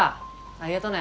ありがとね。